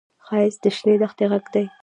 ښایست د شنې دښتې غږ دی